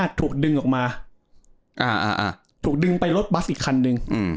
ถูกดึงออกมาถูกดึงไปรถบัสอีกคันนึง